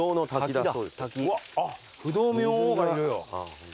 うわっ不動明王がいるよ。